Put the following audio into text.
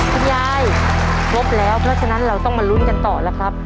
คุณยายครบแล้วเพราะฉะนั้นเราต้องมาลุ้นกันต่อแล้วครับ